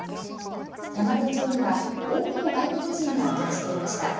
山手町には多くの外国人が暮らしていました。